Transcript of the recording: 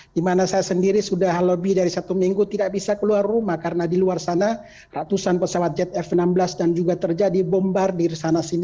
di mana saya sendiri sudah lebih dari satu minggu tidak bisa keluar rumah karena di luar sana ratusan pesawat jet f enam belas dan juga terjadi bombardir sana sini